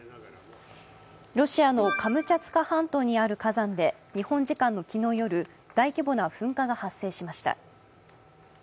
ロシアのカムチャツカ半島にある火山で日本時間の昨日夜、大規模な噴火が発生しました。